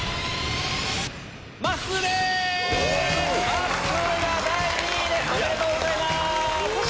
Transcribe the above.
まっすーが第２位ですおめでとうございます！